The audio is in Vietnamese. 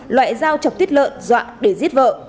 loại dao chọc tiết lợn dọa để giết vợ